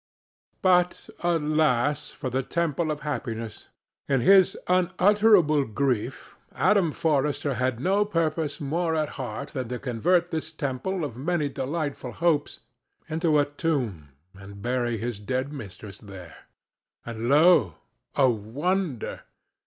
But alas for the temple of happiness! In his unutterable grief Adam Forrester had no purpose more at heart than to convert this temple of many delightful hopes into a tomb and bury his dead mistress there. And, lo! a wonder!